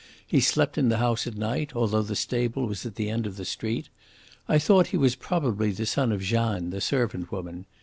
He slept in the house at night, although the stable was at the end of the street. I thought he was probably the son of Jeanne, the servant woman.